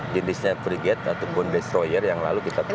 jenisnya frigate ataupun destroyer yang lalu kita punya